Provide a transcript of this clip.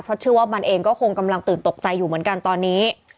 เพราะเชื่อว่ามันเองก็คงกำลังตื่นตกใจอยู่เหมือนกันตอนนี้